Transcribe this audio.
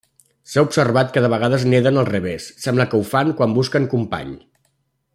S'ha observat que de vegades neden al revés; sembla que ho fan quan busquen company.